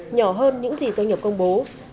nhỏ hơn những gì do nhập công bố